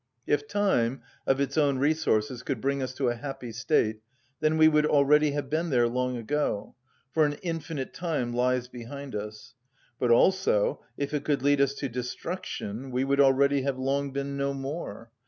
If time, of its own resources, could bring us to a happy state, then we would already have been there long ago; for an infinite time lies behind us. But also: if it could lead us to destruction, we would already have long been no more.